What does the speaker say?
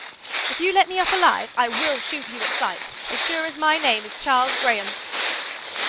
"If you let me up alive, I will shoot you at sight, as sure as my name is Charles Graham."